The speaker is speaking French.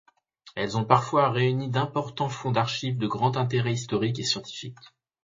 Elles ont parfois réuni d'importants fonds d'archives de grand intérêt historique et scientifique.